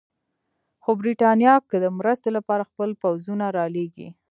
خو برټانیه که د مرستې لپاره خپل پوځونه رالېږي.